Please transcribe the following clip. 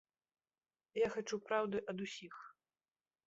Я хачу праўды ад усіх.